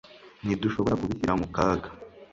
ntidushobora kubishyira mu kaga